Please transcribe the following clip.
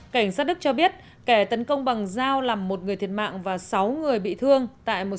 cảnh sát đức cho biết kẻ tấn công bằng dao làm một người thiệt mạng và sáu người bị thương tại một